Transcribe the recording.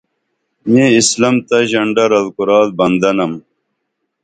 میں اسلام تہ ژنڈہ رل کُرال بندہ نم